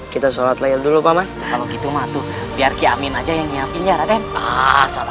kita shalat layak dulu paman kalau gitu matuh biar keamin aja yang nyapin ya raden pas sama